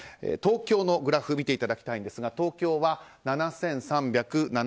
東京のグラフを見ていただきたいんですが東京は、７３７７人。